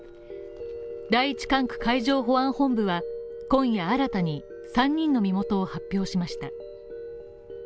第一管区海上保安本部は今夜新たに、３人の身元を発表しました。